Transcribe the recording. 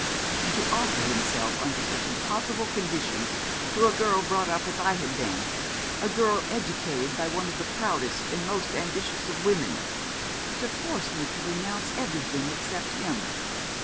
and to offer himself under such impossible conditions to a girl brought up as I had been a girl educated by one of the proudest and most ambitious of women to force me to renounce everything except him?